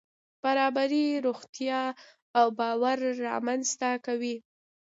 برابري روغتیا او باور رامنځته کوي.